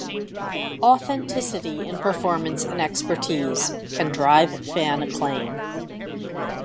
Authenticity in performance and expertise can drive fan acclaim.